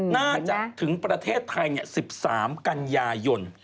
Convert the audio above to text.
น่าจะถึงประเทศไทย๑๓กันยายน